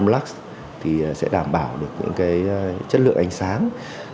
năm trăm linh lux thì sẽ đảm bảo được những cái chất lượng ánh sáng